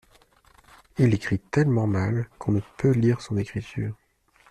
Il écrit tellement mal qu’on ne peut lire son écriture.